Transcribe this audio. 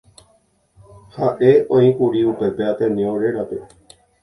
Ha'e oĩkuri upépe Ateneo rérape